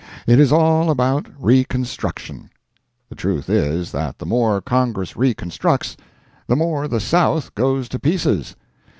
It is all about reconstruction. The truth is, that the more Congress reconstructs, the more the South goes to pieces.